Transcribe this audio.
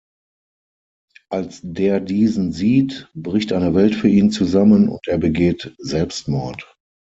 Als der diesen sieht, bricht eine Welt für ihn zusammen und er begeht Selbstmord.